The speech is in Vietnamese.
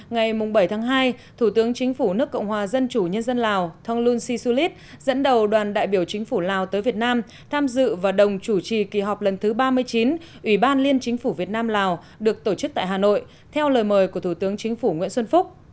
ngày bảy tháng hai thủ tướng chính phủ nước cộng hòa dân chủ nhân dân lào thonglun sisulit dẫn đầu đoàn đại biểu chính phủ lào tới việt nam tham dự và đồng chủ trì kỳ họp lần thứ ba mươi chín ủy ban liên chính phủ việt nam lào được tổ chức tại hà nội theo lời mời của thủ tướng chính phủ nguyễn xuân phúc